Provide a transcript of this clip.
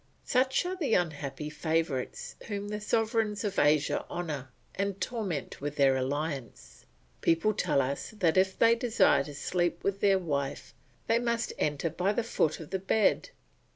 Such are the unhappy favourites whom the sovereigns of Asia honour and torment with their alliance; people tell us that if they desire to sleep with their wife they must enter by the foot of the bed.